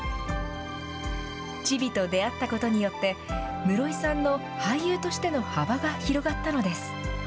チビと出会ったことによって、室井さんの俳優としての幅が広がったのです。